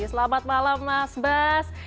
selamat malam mas bas